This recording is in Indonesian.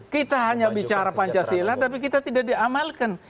kita hanya bicara pancasila tapi kita tidak diamalkan